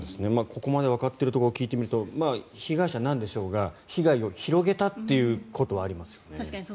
ここまでわかっているところを聞いてみると被害者なんでしょうが被害を広げたということはありますよね。